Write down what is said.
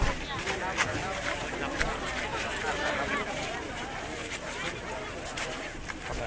ภาษณ์ประกันเข้านี่ประกันแล้วจะมีการจัดอาคารที่ช่วยด้วย